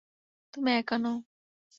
তুমি একা নও।